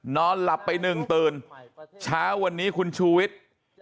นอนหลับไปหนึ่งตื่นเช้าวันนี้คุณชูวิทย์